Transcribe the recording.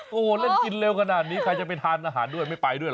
โอ้โหเล่นกินเร็วขนาดนี้ใครจะไปทานอาหารด้วยไม่ไปด้วยเหรอ